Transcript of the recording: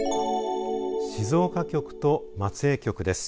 静岡局と松江局です。